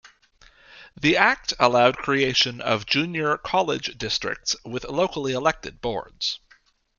The act allowed creation of junior college districts with locally elected boards.